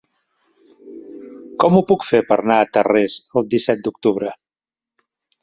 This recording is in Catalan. Com ho puc fer per anar a Tarrés el disset d'octubre?